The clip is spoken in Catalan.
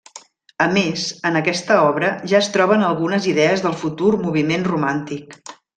A més, en aquesta obra ja es troben algunes idees del futur moviment romàntic.